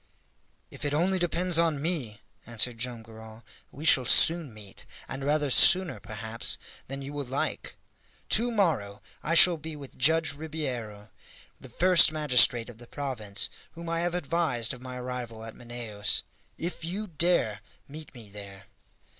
"If it only depends on me," answered Joam Garral, "we shall soon meet, and rather sooner, perhaps, than you will like. To morrow I shall be with Judge Ribeiro, the first magistrate of the province, whom I have advised of my arrival at Manaos. If you dare, meet me there!"